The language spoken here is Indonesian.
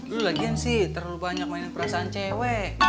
lu lagian sih terlalu banyak main perasaan cewek